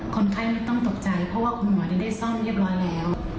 คนไข้ไม่ต้องตกใจเพราะว่าคุณหมอได้ซ่อมเรียบร้อยแล้ว